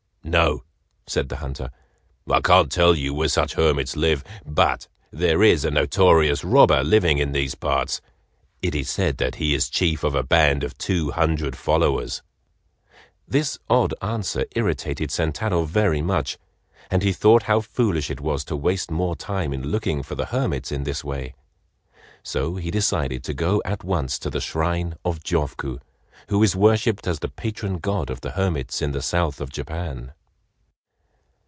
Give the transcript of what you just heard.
"No." said the hunter; "I can't tell you where such hermits live, but there is a notorious robber living in these parts. It is said that he is chief of a band of two hundred followers." This odd answer irritated Sentaro very much, and he thought how foolish it was to waste more time in looking for the hermits in this way, so he decided to go at once to the shrine of Jofuku, who is worshiped as the patron god of the hermits in the south of Japan.